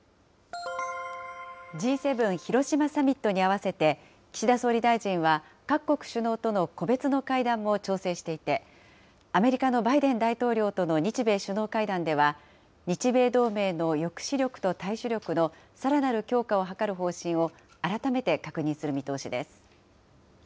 Ｇ７広島サミットに合わせて、岸田総理大臣は、各国首脳との個別の会談も調整していて、アメリカのバイデン大統領との日米首脳会談では、日米同盟の抑止力と対処力のさらなる強化を図る方針を改めて確認する見通しです。